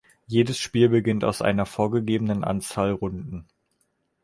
Jedes Spiel beginnt aus einer vorgegebenen Anzahl Runden.